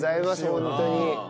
ホントに。